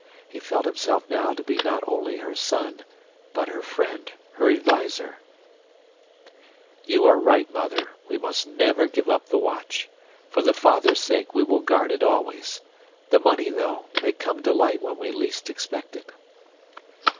He felt himself now to be not only her son, but her friend, her adviser: "You are right, Mother. We must never give up the watch. For the father's sake we will guard it always. The money, though, may come to light when we least expect it."